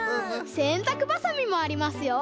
せんたくばさみもありますよ。